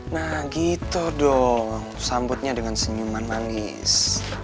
nah gitu dong sambutnya dengan senyuman manis